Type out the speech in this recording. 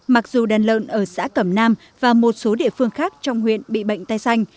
mặc dù đàn lợn ở xã cẩm nam và một số địa phương khác trong huyện bị bệnh tay xanh